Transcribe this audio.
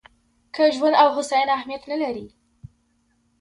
که ژوند او هوساینه اهمیت نه لري.